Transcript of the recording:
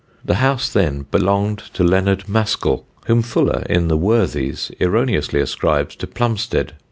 The house then belonged to Leonard Mascall, whom Fuller in the Worthies erroneously ascribes to Plumsted.